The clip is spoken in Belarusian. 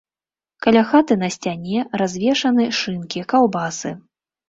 Каля хаты на сцяне развешаны шынкі, каўбасы.